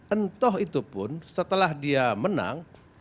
entoh itu pun setelah dia menang